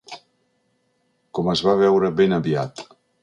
Com es va veure ben aviat.